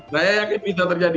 saya yakin bisa terjadi